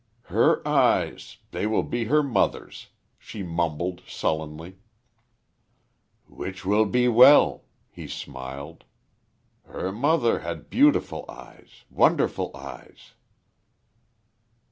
"Her eyes, they will be her mother's," she mumbled, sullenly. "Which will be well," he smiled. "Her mother had beautiful eyes wonderful eyes."